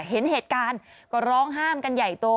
เห็นเหตุการณ์ก็ร้องห้ามกันใหญ่โต